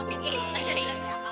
ya kalau ini